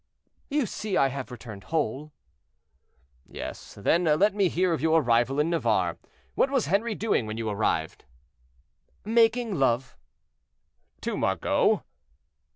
"You see I have returned whole." "Yes; then let me hear of your arrival in Navarre. What was Henri doing when you arrived?" "Making love." "To Margot?"